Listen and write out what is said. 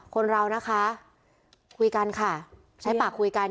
คนเรานะคะคุยกันค่ะใช้ปากคุยกัน